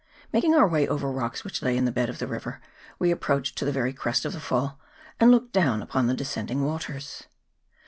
Mak ing our way over rocks which lay in the bed of the river, we approached to the very crest of the fall, and looked down upon the descending waters.